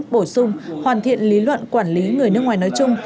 bổ sung hoàn thiện lý luận quản lý người nước ngoài nói chung